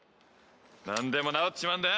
なんでも治っちまうんだよ！